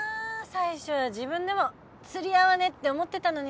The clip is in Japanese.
最初は自分でも釣り合わねえって思ってたのにさ。